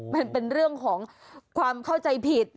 มันเป็นเรื่องของความเข้าใจผิด